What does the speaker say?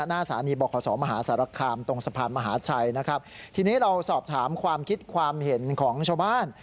หน้าสถานีบอกขอสอมหาสารคามตรงสะพานมหาชัยนะครับทีนี้เราสอบถามความคิดความเห็นของชาวบ้าน